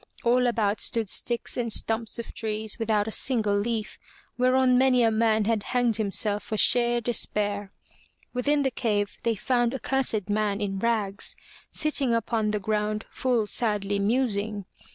All about stood sticks and stumps of trees without a single leaf, whereon many a man had hanged himself for sheer despair. Within the cave they found a cursed man in rags, sitting upon the ground full sadly musing.